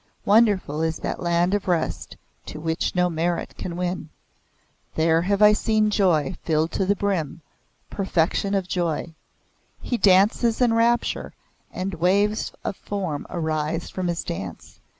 Wonderful is that Land of rest to which no merit can win. There have I seen joy filled to the brim, perfection of joy. He dances in rapture and waves of form arise from His dance.